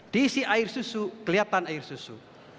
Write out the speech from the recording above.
diisi air susu kelihatan air susu